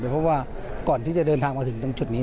เพราะว่าก่อนที่จะเดินทางมาถึงตรงจุดนี้